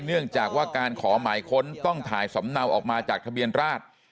เนื่องจากว่าการขอหมายค้นต้องถ่ายสำเนาออกมาจากทะเบียนราช